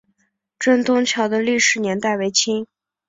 镇东桥的历史年代为清。